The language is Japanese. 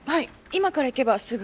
今から行けばすぐ。